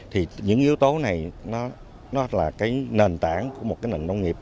thì những yếu tố này nó là nền tảng của một nền nông nghiệp